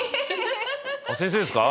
「先生ですか？」